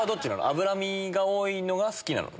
脂身が多いのが好きなの？